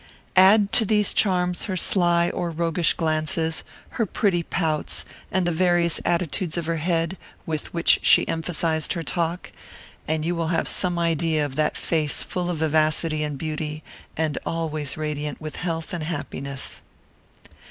Add to these charms her sly or roguish glances, her pretty pouts, and the various attitudes of her head, with which she emphasized her talk, and you will have some idea of that face full of vivacity and beauty, and always radiant with health and happiness.